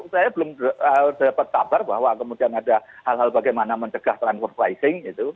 saya belum dapat kabar bahwa kemudian ada hal hal bagaimana mencegah transfer pricing